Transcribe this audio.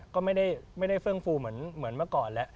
ก็ไม่ได้เฟื่องฟูเหมือนเมื่อก่อนแล้ว